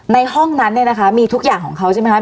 ในห้องนั้นเนี่ยนะคะมีทุกอย่างของเขาใช่ไหมคะ